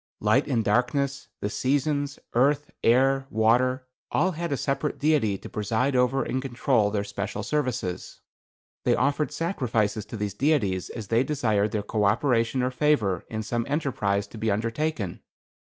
Light and darkness, the seasons, earth, air, water, all had a separate deity to preside over and control their special services. They offered sacrifices to these deities as they desired their co operation or favor in some enterprise to be undertaken.